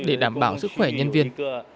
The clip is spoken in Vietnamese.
để đảm bảo sức khỏe nhân viên